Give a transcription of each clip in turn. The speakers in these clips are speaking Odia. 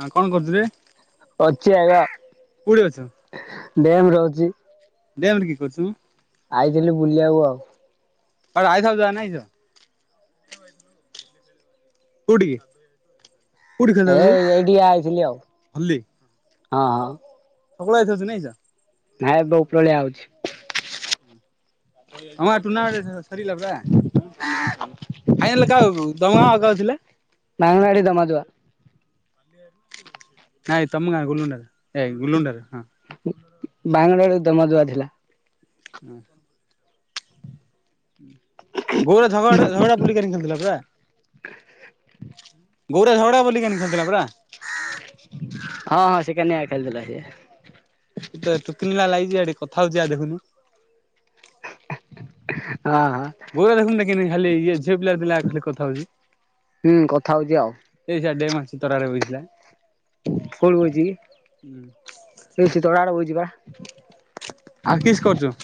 ହଁ କଣ କରୁଛୁ ରେ ଅଛିି ଆଗ କୋଉଠି ଅଛୁ ଡ୍ୟାମ ରହୁଛି। ଦେମେ କିଏ କରୁଚୁ? ଆଇଥିଲି ବୁଲିବାକୁ ଆଉ। ଆଡ ଆଇ ହଉ ଆ ନାାଇଁ [unintelligible] କୋଉଠିକି। କୋଉଠି ଏ ଖେଳିଥାଉଛୁ ବେ ଏଇଠିକି ଆଇଥିଲି ଆଉ ହଲି ହଁ ହଁ। [unintelligible] ନାଇଁ ଏବେ ଉପରଳିଆ ଆଉଛି। ତମ ଗାଁ ଟୁର୍ଣ୍ଣାମେଣ୍ଟ ସରିଲା ପରା ଫାଇନାଲ [unintelligible] [unintelligible] [unintelligible] ନାଇଁ ତମ ଗାଁ ଗୁଲୁଣ୍ଡାର ଏଇ ଗୁଲୁଣ୍ଡାରେ ହଁ। [unintelligible] [unintelligible] ଗୌରା ଝଗଡେ ଝଗଡା। ଗୌରା ଝଗଡା ବୁଲିକାନି ଖେଳୁଥିଲା ପରା। ହଁ ହଁ ସେ କାନ୍ୟା ଖେଳୁଥିଲା ସିଏ। [unintelligible] ହଁ। ଗୌରା ଦେଖୁନୁ ଦେଖିନି ଖାଲି ଇଏ ଝିଅ ପିଲାର ପିଲା ଖାଲି କଥା ହଉଛି। ହୁଁ କଥା ହଉଚି ଆଉ। ଏଇ ସିଆଡେ ଡ୍ୟାମ ଆସିଚି ତରା ରେ ବୋଇଥିଲା। କୋଉଠି ବଇଚିକି। ହୁଁ। ରିଶି ତଳ ଆଡୁକୁ ଯିବା। ଆଉ କିସ୍ କରୁଛୁ।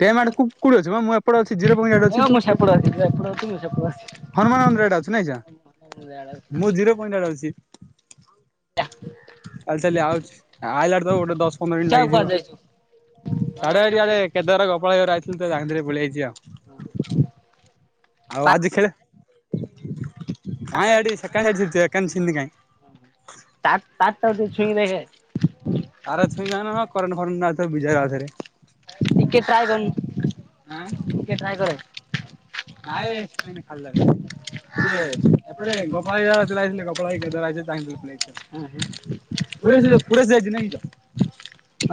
ଡ୍ୟାମ ଆଡେ କୋଉଠି ଅଛୁ ମ ମୁଁ ଏପଟେ ଅଛି ଜିରୋ ପଏଣ୍ଟ ଆଡେ ଅଛି ତୁ [unintelligible] ହନୁମାନ ମନ୍ଦିର ଆଡେ ଅଛି ନେଇଯା। ମୁଁ ଜିରୋ ପଣ୍ଟଟ ଆଡେ ଅଛି। ଚାଲି ଚାଲି ଆଉଛି ଆଇଲାଡୁ ତାକୁ ଗୋଟେ ଦଶ ପନ୍ଦର ମିନିଟ ସିଆଉ କୁଆଡେ ଲାଗିଯିବ। ଯାଇଛୁ? [unintelligible] ଆଉ ବା ଆଜି ଖେଳେ। [unintelligible] ତା ତାସ୍ ଟାକୁ ଟିକେ ଛୁଇଁକି ଦେଖେ। [unintelligible] ଟିକେ ଟ୍ରାଏ କରୁନୁ। ଆଁ ଟିକେ ନାଇ ବେ ଟ୍ରାଏ କରେ। ଏଇନେ ଖାଲିଟାରେ। ହଁ [unintelligible] ପୁରା ସେ ଯୋଉ ପୁରା ସେ ଯାଇଛି ନାଇଁ କିଲୋ।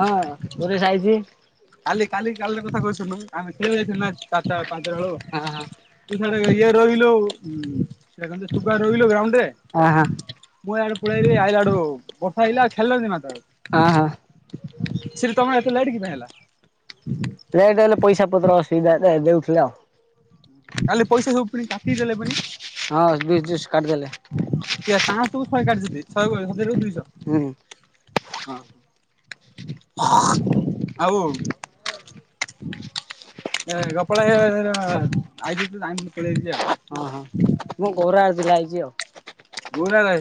ହଁ ସୁରେଶ ଆଇଚି। କାଲି କାଲି କାଲିର କଥା କହୁଚି ଶୁଣୁନୁ ଆମେ ଖେଳିଆକୁ ଯାଇଥିଲୁ ନା ଚାରଟା ପାଞ୍ଚଟା ହଁ ବେଳୁକୁ। ହଁ। ତୁ ସିଆଡେ ଇଏ ରହିଲୁ ସେଟା କନ୍ତି ତୁ ପା ରହିଲୁ ଗ୍ରାଉଣ୍ଡରେ। ଆହା ମୁଁ ଇଆଡେ ପଳେଇ ଆଇଲି ଆଇଲାଟୁ ବର୍ଷା ଆଇଲା ଆ ଖେଳିଲାନି ନା ତା। ଅ ହଁ। ଏତେ ଲେଟ୍ କି ପାଇଁ ହେଲା ଲେଟ୍ ହେଲେ ପଇସା ପତ୍ର ଅସୁବିଧା ଦେ ଦେଉଥିଲେ ଆଉ। କାଲି ପଇସା ସବୁ ପୁଣି କାଟିଦେଲେ ପୁଣି। ହଁ ବିସ୍ ଦିସ୍ କାଟିଦେଲେ। କିଆ ପାଆସକୁ ଶହେ କାଟିିଛନ୍ତି ଶହେକୁ ହଜାରକୁ ଦୁଇଶହ। ହୁଁ ହଁ ଆଉ। [inaudible] [inaudible] ଗୋପାଳ ଭାଇ [unintelligible] ତାଙ୍କୁ ହଁ ହଁ ମୋ ଗୌରା ଆଜି ଯାଇଛି ଆଉ।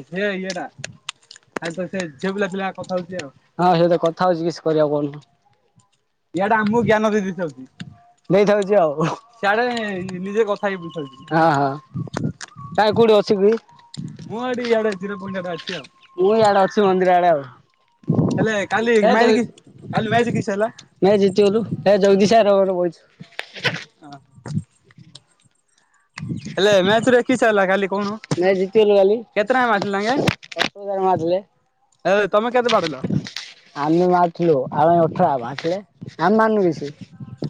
ହେ ଇଏଟା ଆଇ ତ ସେ ଝିଅ ପିଲା ଥିଲେ କଥା ହଉଛି ଆଉ। ହଁ ସେଇତ କଥା ହଉଛି କିଛି କରିବା କଉନୁ। ୟଆଡା ଆମକୁ ଜ୍ଞାନ ଦେଇ ଦେଇ ଥାଉଚି। ଦେଇଥାଉଛି ଆଉ ହଁ ସଆଡେ ନିଜେ କଥା। ହଁ [unintelligible] କାଇଁ କୋଉଠି ଅଛିକି। ମୁଁ ଏଠି ଇଆଡେ ଜିରୋ ପଏଣ୍ଟ ରେ ଅଛି ଆଉ। ମୁଁ ଇଆଡେ ଅଛି ମନ୍ଦିର ଆଡେ ଆଉ। ହେଲେ ତାହେଲେ କାଲି ମ୍ୟାଚ୍ କି ମ୍ୟାଚ କିସ ହେଲା। ମ୍ୟାଚ ଜିତିଗଲୁ ହେ ଜଗଦୀଶ ସାର ମୋର ବଇଚୁ। ହଁ। ମ୍ୟାଚ୍ ରେ କିସ ହେଲା କାଲି କହୁନୁ ମ୍ୟାଚ ଜିତିଗଲୁ କାଲି। କେତେ ରନ୍ ମାରିଥିଲେ ତାଙ୍କେ? ଦଶ ହଜାର [unintelligible] ଥିଲେ। ଏ ତମେ କେତେ ବାଡେଇଲ? ଆମେ ମାରିଥିଲୁ ଆଉ ଅଠରା ମାରଥିଲେ ଆମେ ମାରନୁ କି ସେ।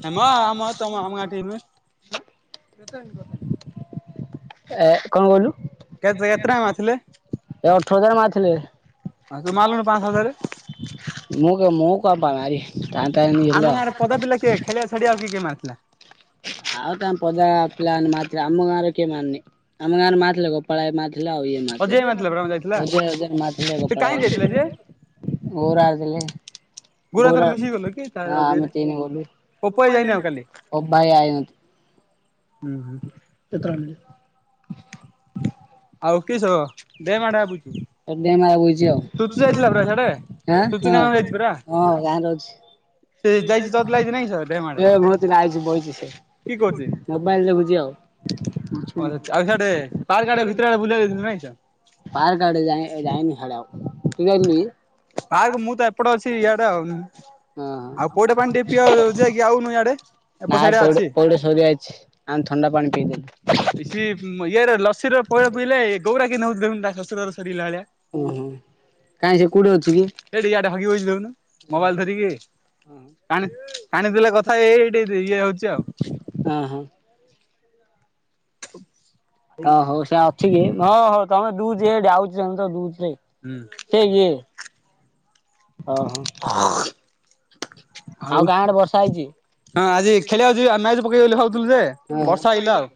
ନାମ ଆମ ତମ ଆମ ଗା ଟିମ। ଏ କଣ କହିଲୁ। କେତେ କେତେ ଟା ମାଥିଲେ। ଏ ଅଠର ହଜାର ମାରିଥିଲେ। ଆ ତୁ ମଲୁ ପାଂସ ହଜାର। ମଁ ମ କ ପା ମାର ତା ଟ ଆମ ହେଲ। ଗାଁରେ ପିଲା। ଖେଳିଆଛାଡି ଆ କିଏ ମାରଥିଲା। ଆଉ ଟାମ ପୋଦା ପିିଲମାନେ ମାାତ ଅମ ଗ ଆାର କେମାି। ଆମ ଗାଁରେ ମାଥିଲଥିଲା କ ପଳଏ ମା ଥିଲା ଆ ଇଏ। ଅଜୟ ମାରିଥିଲା ପରା ଯାଇଥିଲା ସେ କାହିଁ ଯାଇଥିଲା ସେ? [unintelligible] ମାର ଆଦଲେ। ଗୁରା ତାର ଗୋରା ମିଶିକି ଗଲ କି ତା ଅଜୟର ଆମେ ସେ ପୋପ ଭାଇ ଯାଇନି ଆଉ କାଲି ଗଲୁ ଭାଇ। ହୁଁ ହୁଁ। ସେତଣିଲ। ଆଉ କିସ ଦେ ମାଡେ ଭାବୁଛୁ। ମ ବଛି ତୁତୁ ଯାଇଥିଲା ପରା ଆଉଁ ସିଆଡେ? ତୁତୁ ହଁ ଗାଁକୁ ଯାଇଛି ପରା ହଁ ଗାଁରେ ଅଛି। ସେ ଯାଇଛି ଚଗଲା ହେଇଛି ନାଇଁ କି ସେ ଡ୍ୟାମ୍ ଆଡେ ମୁଁତି ଆାଇଛି ବହୁଛିଛ। କି କହୁଛି? ମୋବାଇଲ ଯାଗୁଛି ଆଉଛ। ଆଉ ସେଆଡେ ତାର ଗାଡ ଭିତରେ ବୁଲେଇ ଦେଇେଇଥିଲେ ନାଇଁଛ। ପାର୍କ ଆଡେ ଯାଇ ଯାଇନି ଖଡ ଆ ଜି। ବାାରକ ମୂତ ଏପଡ ଅଛି ଏଇଆଡେ ଆଉନ। ହଁ ହଁ। ଆଉ ପୋଉଟେ ପାଣି ଟିକେ ପିଅ ଯାଇକି ଆଉନୁ ଆଡେ ଏପଟ ସଡଆ ଅଛି। ରିଆାଇଛି ଆ ଥଣ୍ଡା ପାଣି ପିଇଦେନୁ। ସି ଇଏରେ ଲସିୀର ପୋଳ ପିଇଲେ ଗଉରା କେ ନଉ ଦେି ତା ଶଶୁରର ସରିଲା ଭଳିଆ। ଓହୋ କାହିଁ ସେ କୋଉଠି ଅଛି କି। ଏଇଠି ା ଟା ଭାି ବ ଦଉନୁ ମୋବାଇଲ ଧରିକି। ାଣି କାଣିଥିଲେ କଥା ଏଇ ଏଇଠି ଇଏ ହଉଛି ଆଉ। ହଁ ହଁ। ହଁ ହଉ ସେ ଅଛିଯେ ହଁ ହଉ ତମେ ଦୁଯେ ଯାଉଚନ୍ତିଯେ ଦୁଚୁଯେ ହୁଁ। ସେ କିଏ ଅଁ ହୋ। [unintelligible] ଆଉ ଗାଁ ଗଡ଼େ ବର୍ଷା ହେଇଚି? ହଁ ଆଜି ଖେଳିବାକୁ ଯିବା ମ୍ୟାଚ୍ ପକେଇବୋଲି ଭାବଥିଲୁଯେ ଓହୋ ବର୍ଷା ଆମର ଇଆଡେ ବି ଆଇଲା ଆଉ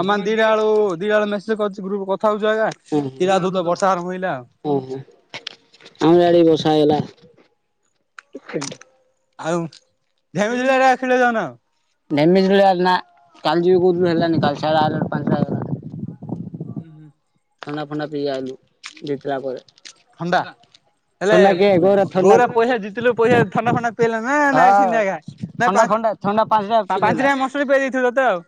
ସମାନ ଦିଟା ବେଳୁ ଦିଟା ବେଳୁ ମେ ଯେକରିଚି ଗ୍ରପ୍ କଥା ହଉଚି ଆଗା [unintelligible] ବର୍ଷା ଆରଭ ହେଲା ଆଉ। ଓହୋ ଆମର ଆଡ଼େବି ବର୍ଷା ହେଇଗଲା। ଆଉ ଝାମିଝୁଲାରେ ଖେଳିବାକୁ ଯାଉନ? [unintelligible] ନେମେଜ୍ ଭଳିଆ ନା କାଲି ଯିବି କୋଉଥୁନୁ ହେଲାନି କାଲି ଶଳା ଆଇଲାକୁ ପାଞ୍ଚଟା ହେଇଗଲା। ଉୁଁ ହୁଁ। ଥାଣ୍ଡା ଥାଣ୍ଡା ପିଆ ଆଲୁ ଜିତଲା ପରେ। ଥଣ୍ଡା ହେଲେ ଥଣ୍ଡା କିଏ ଗୋରା ଗୌରା ଥଣ୍ଡା ପଇସା ଜିତିଲୁ ପଇସା ଥଣ୍ଡା ଫଣ୍ଡା ପିଇଲା ନା ନାଇଁ ହଁ ସିନ୍ଧା ଆଜ୍ଞା ନାଁଇ ଥଣ୍ଡା ଫଣ୍ଡା ଥଣ୍ଡା ପାଞ୍ଚଟା ପା ପିଲେଇଲା ପାଞ୍ଚାଟା ମସୁର ପିଇଦେଇଥିଲେତ ଆଉ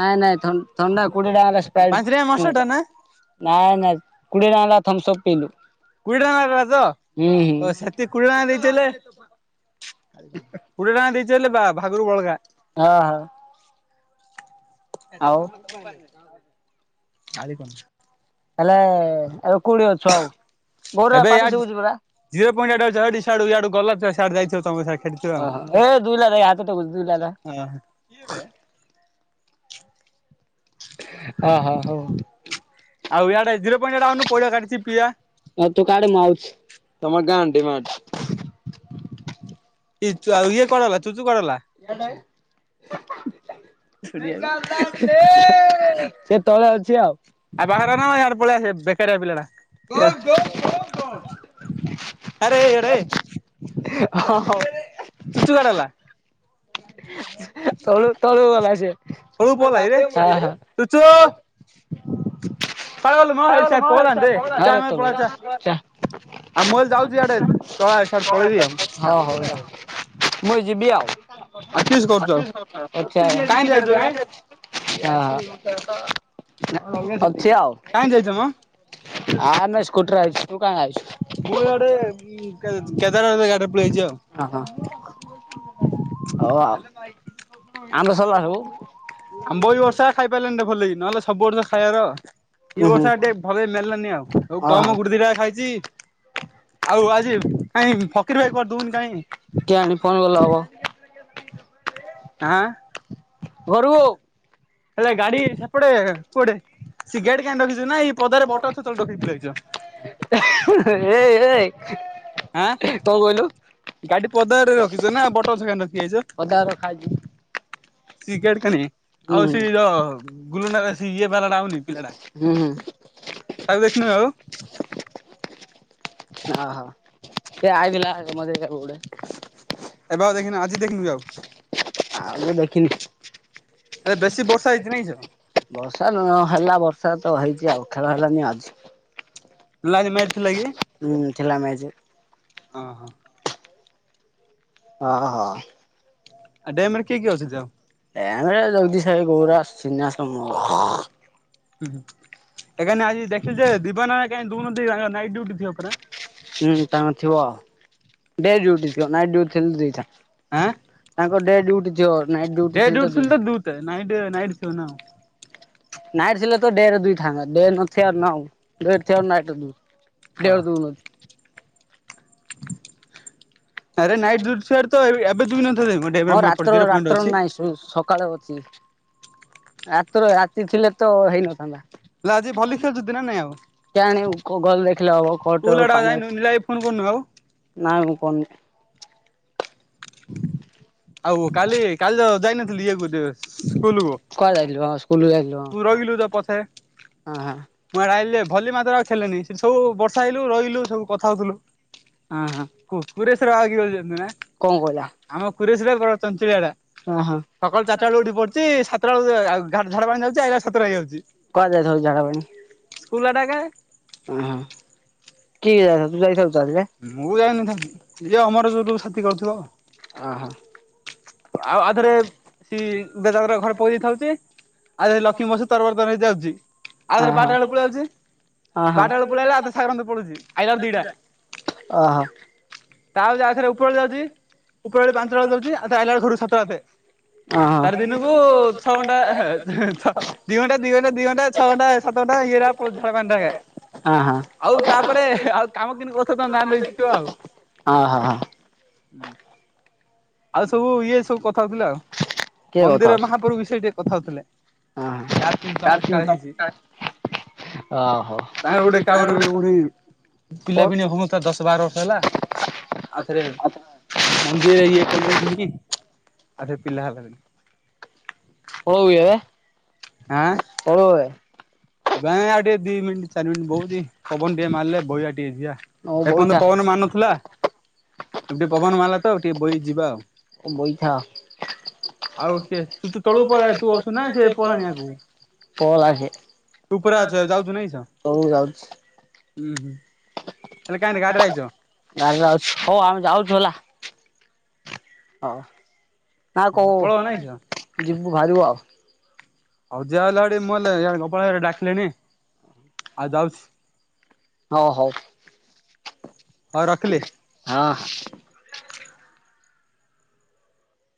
ନାଇଁ ନାଇଁ ଥଣ୍ଡା ଥଣ୍ଡା କୋଡ଼ିଏ ଟଡାଙ୍କର ପାଞ୍ଚ ସ୍ପାଇଡ଼ ଟଙ୍କା ମସୁରି ଟା କିଣିଲା। ନା ନାଇଁ ନାଇଁ କୁଡ଼ିଏ ଟଙ୍କାରେ ଥମ୍ସଅପ୍ ପିିଇଲୁ। କୋଡ଼ିଏ ଟଙ୍କାତ ଓସେତି କୋଡ଼ିଏ ଟଙ୍କା ଦେଇଥିଲେ କୋଡ଼ିଏ ଟାଙ୍କା ଦେଇଚି ବୋଲି ବା ଭାବିବୁ ବଳକା। ହଁ ହଁ। ଆଉ ଆରି କଣ? କଲେ ଆଉ କୋଉଡ଼ି ଅଛ ଆଉ ଗୋଉରା ଏବେ ପାଟି ଶୁବୁଚି ପରା? ସିଆଡ଼ୁ ଇଆଡ଼ୁ ଗଲା ସିଆଡ଼ୁ ଯାଇଥିବ ତମ ସାଇକ୍ ଓହୋ ଏ ଦୁଇ ଲାଇ ହାତଟକୁ ଦୁଇ ଲାଲ ଓହୋ କିଏବେ ଅଁ ହଁ ହଁ ହଉ। ଆଉ ଇଆଡ଼େ ଜିର ଆଉନୁ ପଇଡ଼ କାଟିଛି ପିଇବା। ଆଉ ତୁ କାଟେ ମୁ ଆଉଚି ତମର [unintelligible] ତୁ ଆଏଇ କୁଆଡ଼େ ଗଲା ଚୁଚୁ କୁଆଡ଼େ ଗଲା। [unintelligible] ସେ ତଳେ ଅଛି ଆଉ ଆ ପାଖରେ ରହନାମ ଆଡ଼େ ପଳେଇଆସେ ବେ ବେକାରିଆ ପିଲଟା ଆରେ ଇଆଡ଼େ ହଁ ହଉ ଚୁଚୁ କୁଆଡ଼େ ଗଲା? [inaudible] ତଳୁ ତଳୁକୁ ଗଲାସେ ହଁ ହଁ। ଆରେ ତଳକୁ ଚା ହଁ ହଉ ର ମୁଯିବି ଆଉ କରୁଛ ଆଚ୍ଛା। କାହିଁ ଯାଇଛୁ କି ହଁ ହଁ ଭଛି ଆଉ। କାହିଁ ଯାଇଛ ମ ଆନ ସ୍କୁଟିରେ ଆଇଚି ତୁ କାଇଁ ଆଇଚୁ? ମୁଁ ଇଆଡ଼େ କେ କେଦୋର ଦାଦା ଗାଡ଼ରେ ପଳିଆଇଚି ଆଉ। ଓହୋ ଓଉ ଆମ୍ବ ସରିଲା ସବୁ? ଆମ୍ବବି ବର୍ଷା ଖାଇ ପାରିଲାନି ଟିକେ ଭଲକି ନହେଲେ ସବୁ ବର୍ଷ ଖାଇବାକଥା। ଏଇ ଉଁ ହୁଁ ବର୍ଷା ଟିକେ ଭଲକି ମେଲାନି ଆଉ ଆଉ ଓହୋ କମ୍ ଗୁଟେ ଦିଇଟା ଖାଇଛି ଆଉ ଆଜି କାଇଁ ଫକୀର ଭାଇ କରିଦଉନି କାଇଁ କେଆଣି ଫୋନ୍ କଲେ ହବ। ଆଁ ଗରୁ ଗାଡି କୋଟେ କୁଆଡେ ସିଗଟ କାଁ ରଖିଛୁ ନା ଏଇ ପଦାରେ ବଟଲ ରଖିଛ। ଏଇ ଏଇ ଆଁ କଣ ଗାଡି କହିଲୁ। ପଦାରେ ରଖିଛ ନା ବଟ ଅଦା ଗଛ କାହିଁ ରଖି ର ଖାଇଛ। ସଟଣି ଆଉ ସେ ଯ ଗୁଲୁ ଇଏ ବାଲାଟା ହଉନି ପିଲା ଟା ହୁଁ ହୁଁ ତାକୁ ଦେଖିନୁ ଆଉ ହଁ ହଁ ସେ ଆଇ ଭଥିଲା ମ କେଡେ ଏବେ ଆଉ ଦେଖିନି ଆଜି ଦେଖିନୁ ଆଉ ଆଉ ଦେଖିନି ଏ ବେଶୀ ବର୍ଷା ହେଇଛି ନାଇଁଛ ବର୍ଷା ନ ହେଲା ବର୍ଷା ତ ହେଇଛି ଆଉ ଖେଳ ହେଲାନି ଆଜି ମ ଥିଲା କି? ହୁଁ ଥିଲା ମେଜ ଓ ହୋ ଓଁ ହୋ ଆଉ ଡ୍ୟାମ୍ ରେ କିଏ କିଏ ଅଛନ୍ତି ଆଉ? ଏ ଆମ ଜଗଦୀଶ ଭାଇ ଗୌରା [unintelligible] ହୁଁ। ଆଜି ଦେଖିେ ଦିବ ନା କା ଦୁଉନ ନାଇଟ୍ ଡ୍ୟୁଟି ଥିବ ପୁରା ହୁଁ ତାଙ୍କ ଥିବ ଡେ ଡ୍ୟୁଟି ଥିବ ନାଇଟ ଡ୍ୟୁଟି ଦିଟା। ଆଁ ତାଙ୍କ ଡେ ଡ୍ୟୁଟି ଥିବ। ଡେ ଡ୍ୟୁଟି ଥିଲେ ଦୁଇ ଟେ ନାଇଟ ନାଇଟ୍ ଥିବ ନା କଣ। ନାଇଟ ଥିଲେ ତ ଡେ ରେ ଦୁଇ ଥାଆନ୍ତା ଡେ ନଥିବ ଆଉ ନ ଡେ ରେ ଥିଲେ ନାଇଟି ଦେଉଛନ୍ତି ଡେ ଆଉ ରେ ଓହୋ ଦେଉନାହାନ୍ତି। ଆରେ ନାଇଟ୍ ଟା ଏବେ ଦୁଇ ନାହାନ୍ତି। ହଁ ରାତ୍ର [unintelligible] ରାତ୍ର ପଏଣ୍ଟ ଅଛି। ନାଇଁ ସକାଳେ ଅଛି ରାତିରେ ରାତି ଥିଲେ ତ ହେଇନଥାନ୍ତା। ହେଲା ଆଜି ଭଳି ଖେଳୁଛନ୍ତି ନା ନାଇଁ ଆଉ କଣ ଗଲେ ଦେଖିଲେ ହବ ଖଟ ସ୍କୁଲ ଗୋଟେ ଆଡେ ଆଉ ପାଣି ଯାଇନୁ ଅଛି ନିଲା ଭାଇ ଫୋନ କରୁନୁ ଆଉ। ନାଇଁ ମୁଁ କହନି ଆଉ କାଲି କାଲି ତ ଯାଇନଥିଲି ଇଏ ସ୍କୁଲ କୁ କୁଆଡେ ଯାଇଥିଲୁ ହଁ ସ୍କୁଲ କୁ ଯାଇଥିଲୁ ହଁ ହଁ ମୁଁଡିଲେ ଭଲି ମାତ୍ର ଆଉ ଖେଲେନଣିି ସେ ସବୁ ବର୍ଷା ହେଇଲୁ ରହିଲୁ ସବୁ କଥା ହଉଥିଲୁ। ହଁ ହଁ ହୁ କୁୁରେଶଵର ଆଗରଦ ଜଅ ନା କଣ କହିଲା? କୁରେ ଚଞ୍ଚଳିଆଟା ହଁ ହଁ ସକାଳୁ ଚାରିଟା ବେଳେ ଉଠି ପଡଚି। କେତବେଳେ ଆଉ ଡା ପାଣି ଯାଉଛି ଆ ସାତ ଟା ହେଇଯାଉଛି। କୁହା ଯାଇଥାଉ ଜାଗା ପାଣି ଫୁଲା ଟା କୋ ଓହୋ କି ଯ ତୁ ଯାଇଥା [unintelligible] ମୁଁ ଯାଇନଥିଲି ଇଏ ଆମର ଯୋଉ ସବୁ ସାଥି କରୁଥିବ ଆଉ ଓ ହୋ ଆଉ ଆଧରେ ସ ବେଜାଗରେ ଘରେ ପକେଇ ଖାଉଛି। ଆଉରେ ଲକ୍ଷ୍ମୀ ବସ ତରବରତର ହେଇ ଯାଉଛି ଆଉଥରେ ବାରଟା ବେଳ ପଳେଇ ଯାଉଛି। ଓହୋ ବାରଟା ବେଳ ପଳେଇଲା ସାାଗାରଣ ପଳୁଛି ଆଇଲାର ଦିଟା ଓହୋ ତା ଆଥରେ ଉପରଳେ ଯାଉଛି। ଉପର ବଳେ ପାଞ୍ଚଟା ବେଳେ ଯାଉଛି ଆଉ ଆଲା ବେଳେ ଘରୁ ସାତଟା ହାତେ। ଓହୋ ଓହୋ ହଁ ତାର ଦିନକୁ ଛଅ ଘଣ୍ଟା ହେ ହେ ଛଅ ଦିଘଣ୍ଟା ଦିଘଣ୍ଟା ଦିଘଣ୍ଟା ଛଅଘଣ୍ଟା ସାତ ଘଣ୍ଟା ଇଏରା ପଳାଉଛି [unintelligible] ହଁ ହଁ। ଆଉ ତାପରେ ଆଉ କାମ କିିନ୍ତି କରୁଥିବ ତମେ ଜାଣି ଦେଇଥିବ ଆଉ। ହଁ ହଁ ହଁ। ହୁଁ। ଆଉ ସବୁ ଇଏ ସବୁ କଥା ହଉଥିଲେ ଆଉ। କିଏ ମନ୍ଦିର ମହାପ୍ରଭୁ ବିଷୟରେ ଟିକେ କଥା ହଉଥିଲେ। ତାର କିନ୍ତୁ ଚମତ୍କାର ହେଇଛି। କଥା ଓହୋ ତା ଗୋଟେ [unintelligible] ପଳଉ ପିଲାପିଲି ହୋଉ ନଥିଲା ଦଶ ବାର ବର୍ଷ ହେଲା। ଆଉ ଥରେ ମନ୍ଦିରରେ ଇଏ କଲୁ ପୁଣୀ ଆଉ ସେ ପିଲା ହେଲା। ହଉ ଏ। ଆଁ। ହୋଉ ଏ। ଏବେ ଆଉ ଟିକେ ଦି ମିନିଟ ଚାରି ମିନିଟ ବହୁଛି ପବନ ଟିକେ ମାରିଲେ ବହିଆ ଟିକେ ଯିବା। ଏପର୍ଯ୍ୟନ୍ତ ବଇଥା ପବନ ମାରୁନଥିଲା। ବହି ଯିବା ଆଉ। ବଇଥା। ପଳେଇ ଆଉ କିଏ ତୁ ତୁ ତଳକୁ ପଳା ତୁ ଅଛୁ ନା ସେ ଆସେ। ପଳାଣି ଆଗକୁ ହୋଉ ତୁ ଉପରେ ଅଛୁ ଯାଉଛୁ ନାଇଁ କିସ? ଯାଉଛି। ହୁଁ ହୁଁ। ହେଲେ କାହିଁରେ ଗାଡିରେ ଆଇଛ ଗାଁ ଯାଉଛି ହଉ ଆମେ ଯାଉଛୁ ହେଲା। ହଉ ନା କହୁ ପଳଉ ନାଇଁଛ ଯିବୁ ବାହାରିବୁ ଆଉ। ହଉ ଯିଆ ହେଲାଡି ମୁଁ ହେଲେ ଗୋପାଳ ହେଇକା ଡାକିଲେଣିି ଆଉ ଯାଉଛି। ହଉ ହଉ। ହଉ ରଖିଲି। ହଁ।